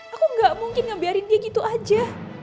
aku gak mungkin ngebiarin dia gitu aja